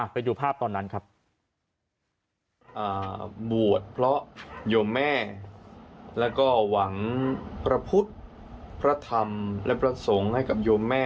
ไปดูภาพตอนนั้นครับ